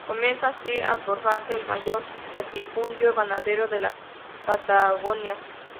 Comienza así a forjarse el mayor latifundio ganadero de la Patagonia.